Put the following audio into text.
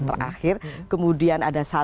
terakhir kemudian ada